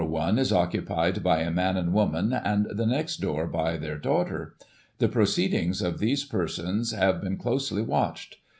i is occupied by a man and woman, and the next door by their daughter. The proceedings of these persons have been closely watched.